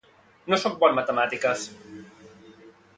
No soc bo en Matemàtiques.